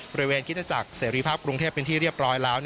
คิตจักรเสรีภาพกรุงเทพเป็นที่เรียบร้อยแล้ว